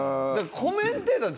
コメンテーターでしょ？